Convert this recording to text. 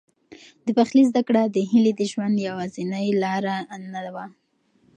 د پخلي زده کړه د هیلې د ژوند یوازینۍ لاره نه وه.